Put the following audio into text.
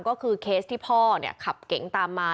ก็คือเคสที่พ่อขับเก๋งตามมา